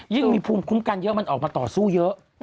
มีภูมิคุ้มกันเยอะมันออกมาต่อสู้เยอะ